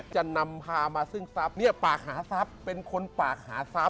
จะนำพามาซึ่งซับเนี่ยปากหาซับเป็นคนปากหาซับ